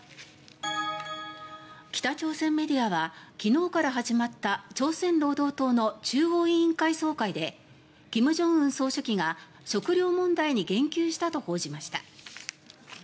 北朝鮮メディアは昨日から始まった朝鮮労働党の中央委員会総会で金正恩総書記が食糧問題に言及したと報じました。